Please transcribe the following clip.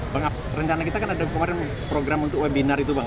bang rencana kita kan ada kemarin program untuk webinar itu bang